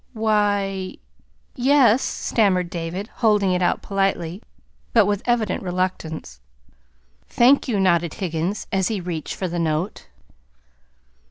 "Why, y yes," stammered David, holding it out politely, but with evident reluctance. "Thank you," nodded Higgins, as he reached for the note.